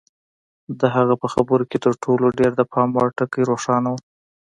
د هغه په خبرو کې تر ټولو ډېر د پام وړ ټکی روښانه و.